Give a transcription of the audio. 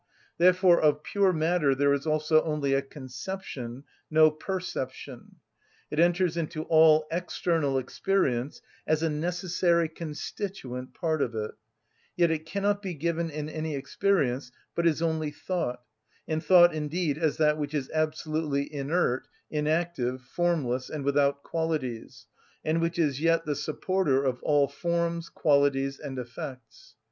Therefore of pure matter there is also only a conception, no perception. It enters into all external experience as a necessary constituent part of it; yet it cannot be given in any experience, but is only thought, and thought indeed as that which is absolutely inert, inactive, formless, and without qualities, and which is yet the supporter of all forms, qualities, and effects.